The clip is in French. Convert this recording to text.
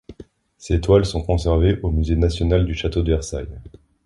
Ces toiles sont conservées au Musée national du Château de Versailles.